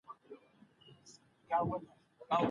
د ښوونځیو زیربناوې باید په نوي ډول ورغول شي.